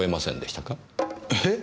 えっ？